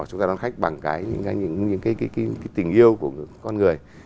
chúng ta đón khách bằng những cái tình yêu của con người